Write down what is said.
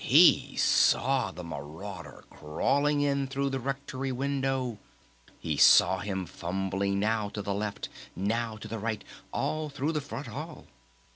He saw the marauder crawling in through the Rectory window! He saw him fumbling now to the left, now to the right, all through the front hall!